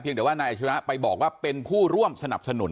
เดี๋ยวว่านายอาชิระไปบอกว่าเป็นผู้ร่วมสนับสนุน